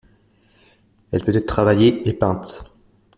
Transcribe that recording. Elle peut être travaillée et peinte.